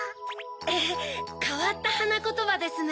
えっかわったはなことばですね。